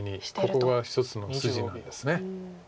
ここが一つの筋なんです。